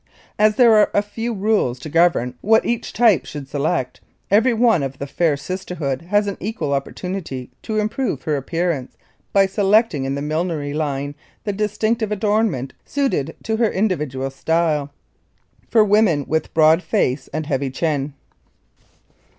As there are a few rules to govern what each type should select, every one of the fair sisterhood has an equal opportunity to improve her appearance by selecting in the millinery line the distinctive adornment suited to her individual style. [Illustration: NO. 22] For Women with Broad Face and Heavy Chin.